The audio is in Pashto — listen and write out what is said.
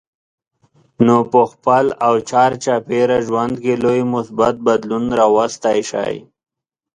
نو په خپل او چار چاپېره ژوند کې لوی مثبت بدلون راوستی شئ.